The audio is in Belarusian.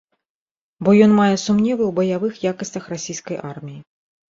Бо ён мае сумневы ў баявых якасцях расійскай арміі.